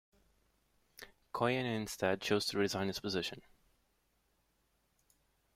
Koyen instead chose to resign his position.